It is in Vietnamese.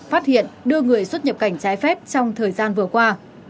phát hiện đưa người xuất nhập cảnh trái phép trong thời gian vừa qua